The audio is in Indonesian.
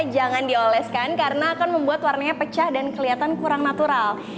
jangan dioleskan karena akan membuat warnanya pecah dan kelihatan kurang natural